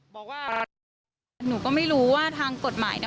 บอกว่าหนูก็ไม่รู้ว่าทางกฎหมายเนี่ย